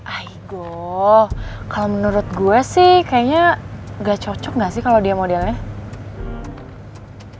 ah igo kalau menurut gue sih kayaknya gak cocok gak sih kalau dia modelnya